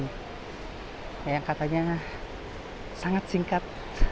yang katanya sangat singkat